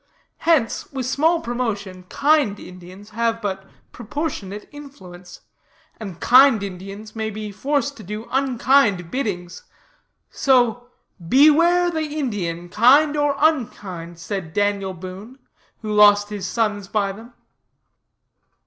Hence, with small promotion, kind Indians have but proportionate influence. And kind Indians may be forced to do unkind biddings. So "beware the Indian, kind or unkind," said Daniel Boone, who lost his sons by them.